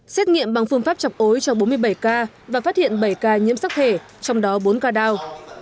xét nghiệm bằng phương pháp chọc ối cho bốn mươi bảy ca và phát hiện bảy ca nhiễm sắc thể trong đó bốn ca đao